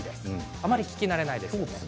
あまり聞き慣れないですね。